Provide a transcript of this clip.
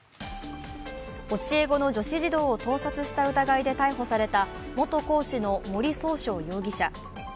教え子の女子児童を盗撮した疑いで逮捕された元講師の森崇翔容疑者。